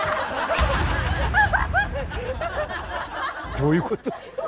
どういうこと？